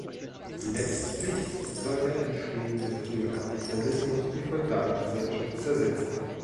Letztlich soll der entstehende frühe Kapitalismus die Feudalgesellschaft zersetzt haben.